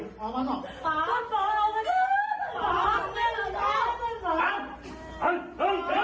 ที่หลังคโยชน์ที่ติดสนภูเขตอาการกระลิกภูเชียว